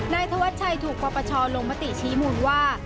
นายธวัดชัยถูกกว่าประชอลงมติชี้มูลว่า